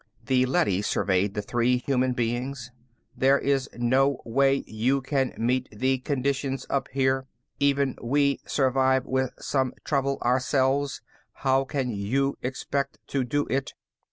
The leady surveyed the three human beings. "There is no way you can meet the conditions up here. Even we survive with some trouble, ourselves. How can you expect to do it?"